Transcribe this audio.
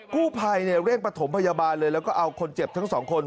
กู้ภัยเร่งประถมพยาบาลเลยแล้วก็เอาคนเจ็บทั้งสองคน